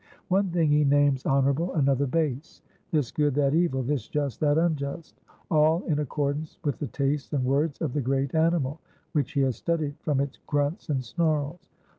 One thing he names honourable, another base; this good, that evil; this just, that unjust; all in accordance with the tastes and words of the great animal, which he has studied from its grunts and snarls.'